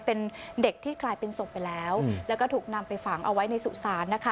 เป็นเด็กที่กลายเป็นศพไปแล้วแล้วก็ถูกนำไปฝังเอาไว้ในสุสานนะคะ